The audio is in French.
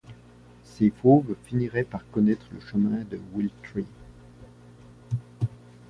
Ces fauves finiraient par connaître le chemin de Will-Tree!